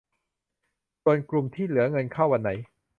ส่วนกลุ่มที่เหลือเงินเข้าวันไหน